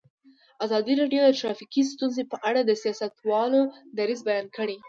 ازادي راډیو د ټرافیکي ستونزې په اړه د سیاستوالو دریځ بیان کړی.